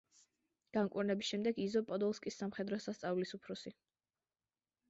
განკურნების შემდეგ იზო პოდოლსკის სამხედრო სასწავლებლის უფროსი.